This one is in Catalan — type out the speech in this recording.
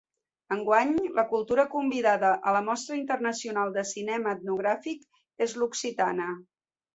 Enguany la cultura convidada a la Mostra Internacional de Cinema Etnogràfic és l'occitana.